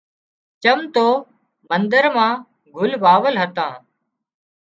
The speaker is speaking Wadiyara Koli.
چم تو مندر مان گُل واول هتان